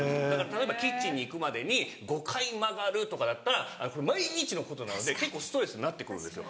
例えばキッチンに行くまでに５回曲がるとかだったら毎日のことなので結構ストレスになってくるんですよ。